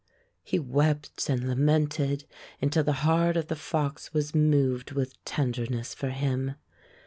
He wept and lamented until the heart of the fox was moved with tenderness for him.